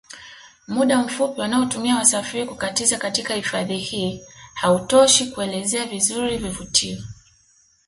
Muda mfupi wa wanaotumia wasafiri kukatiza katika hifadhi hii hautoshi kuelezea vizuri vivutio